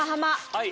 はい。